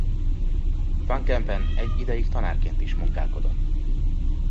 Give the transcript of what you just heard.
Van Kempen egy ideig tanárként is munkálkodott.